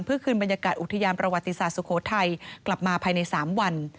เพื่อคืนบรรยากาศอุทยานประวัติศาสตร์สุโขทัยกลับมาภายใน๓วัน